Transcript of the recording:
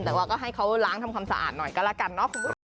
แต่ก็ให้เขาร้างทำความสะอาดหน่อยก็ละกันเนอะ